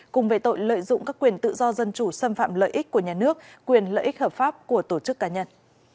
cùng về tội lợi dụng các quyền tự do dân chủ xâm phạm lợi ích của nhà nước quyền lợi ích hợp pháp của tổ chức cá nhân